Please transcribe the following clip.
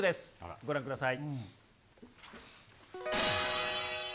ご覧ください。